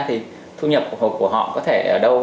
thì thu nhập của họ có thể ở đâu